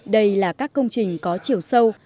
đây là các công trình có chiều sâu